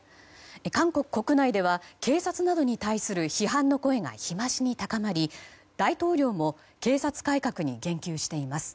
韓国国内では警察などに対する批判の声が日増しに高まり大統領も警察改革に言及しています。